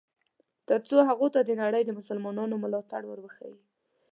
ترڅو هغوی ته د نړۍ د مسلمانانو ملاتړ ور وښیي.